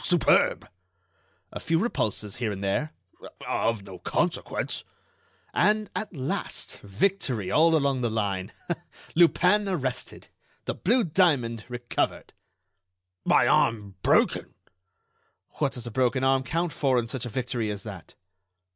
"Superb!" "A few repulses, here and there—" "Of no consequence." "And, at last, victory all along the line. Lupin arrested! The blue diamond recovered!" "My arm broken!" "What does a broken arm count for in such a victory as that?"